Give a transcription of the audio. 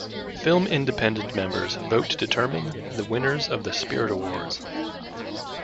Film Independent Members vote to determine the winners of the Spirit Awards.